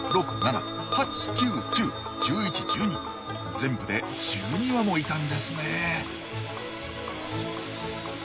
全部で１２羽もいたんですねえ。